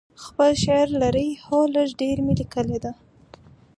خپل شعر لرئ؟ هو، لږ ډیر می لیکلي ده